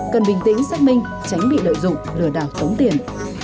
cần bình tĩnh xác minh tránh bị lợi dụng lừa đảo tống tiền